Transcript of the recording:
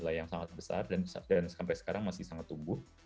nilai yang sangat besar dan sampai sekarang masih sangat tumbuh